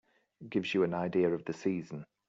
Gives you an idea of the season.